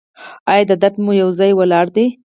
ایا درد مو یو ځای ولاړ دی؟